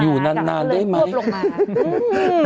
อยู่นานได้ไหม